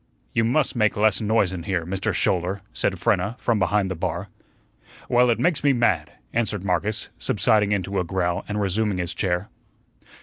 "You must make less noise in here, Mister Schouler," said Frenna, from behind the bar. "Well, it makes me mad," answered Marcus, subsiding into a growl and resuming his chair.